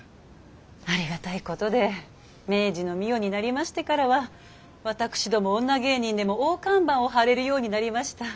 ありがたいことで明治の御代になりましてからは私ども女芸人でも大看板を張れるようになりました。